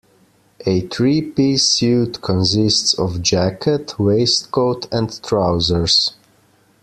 A three-piece suit consists of jacket, waistcoat and trousers